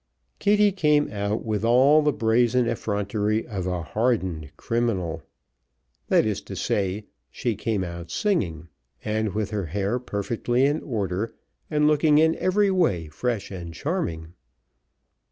Kitty came out with all the brazen effrontery of a hardened criminal. That is to say she came out singing, and with her hair perfectly in order, and looking in every way fresh and charming.